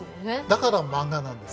だからマンガなんです。